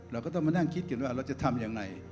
เราก็ต้องมานั่งคิดกันว่าเราจะทำยังไง